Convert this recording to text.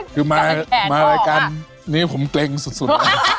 คือมารายการนี้ผมเกร็งสุด